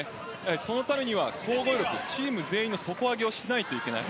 そのためには総合力チーム全員の底上げをしなければいけない。